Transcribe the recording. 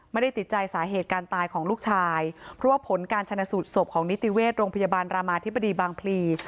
ไม่ได้ติดใจสาเหตุการตายของลูกชายเพราะว่าผลการชนะสูตรศพของนิติเวชโรงพยาบาลรามาธิบดีบางพลี